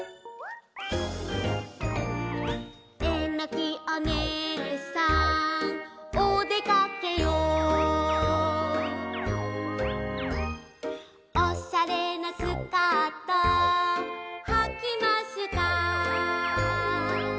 「えのきお姉さんおでかけよ」「おしゃれなスカートはきました」